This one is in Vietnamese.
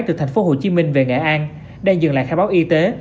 từ thành phố hồ chí minh về nghệ an đang dừng lại khai báo y tế